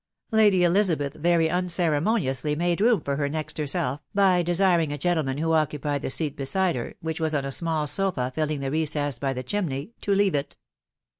Lady Elizabeth very unceremoniously made room for her next herself, by desiring a gentleman who occupied the seat beside her, which was on a small sofa filling the recess by the chimney, to leave it.